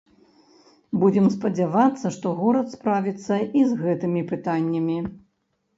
Будзем спадзявацца, што горад справіцца і з гэтымі пытаннямі.